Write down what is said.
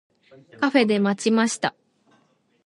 カフェで待ちました。